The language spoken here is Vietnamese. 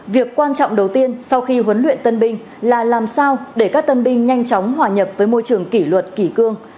việc quan trọng đầu tiên sau khi huấn luyện tân binh là làm sao để các tân binh nhanh chóng hòa nhập với môi trường kỷ luật kỷ cương